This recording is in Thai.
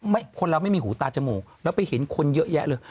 คนเราไม่มีหูตาจมูกแล้วไปเห็นคนเยอะแยะเลย